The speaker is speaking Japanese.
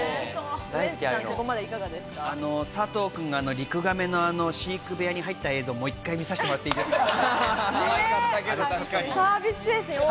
佐藤くんがリクガメの飼育部屋に入った映像をもう１回見させてもらっていいですか。